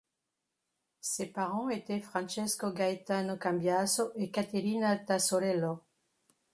Ses parents étaient Francesco Gaetano Cambiaso et Caterina Tassorello.